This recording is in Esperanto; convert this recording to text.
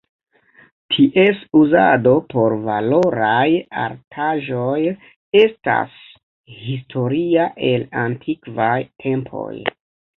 Ties uzado por valoraj artaĵoj estas historia el antikvaj tempoj.